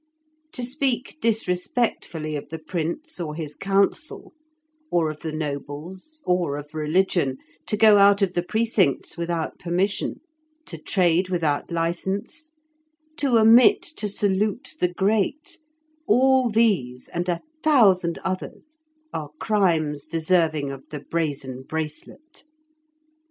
To speak disrespectfully of the prince or his council, or of the nobles, or of religion, to go out of the precincts without permission, to trade without license, to omit to salute the great, all these and a thousand others are crimes deserving of the brazen bracelet.